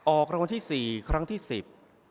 ออกรางวัลที่สี่ครั้งที่สิบ